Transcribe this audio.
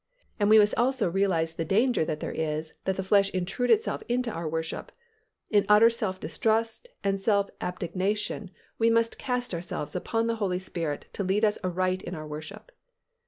And we must also realize the danger that there is that the flesh intrude itself into our worship. In utter self distrust and self abnegation we must cast ourselves upon the Holy Spirit to lead us aright in our worship.